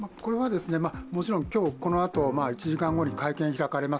もちろん今日このあと１時間後に会見が開かれます。